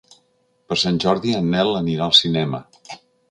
Per Sant Jordi en Nel anirà al cinema.